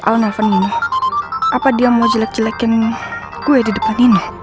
al nelfon ini apa dia mau jelek jelekin gue di depan ini